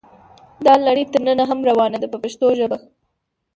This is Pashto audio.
دا لړۍ تر ننه هم روانه ده په پښتو ژبه.